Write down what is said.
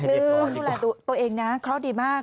ดูแลตัวเองนะเคราะห์ดีมาก